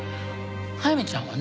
速水ちゃんはね